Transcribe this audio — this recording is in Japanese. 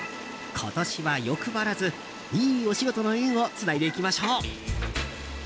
今年は欲張らずいいお仕事の縁をつないでいきましょう。